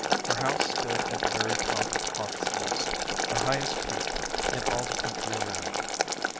Her house stood at the very top of Hawks Nest, the highest peak in all the country around.